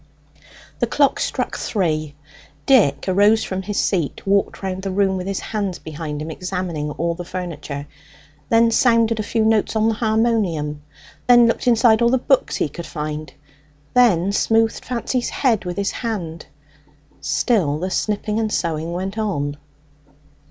The clock struck three. Dick arose from his seat, walked round the room with his hands behind him, examined all the furniture, then sounded a few notes on the harmonium, then looked inside all the books he could find, then smoothed Fancy's head with his hand. Still the snipping and sewing went on.